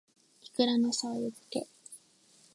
いくらの醬油漬け